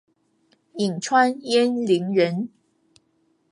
颍川鄢陵人。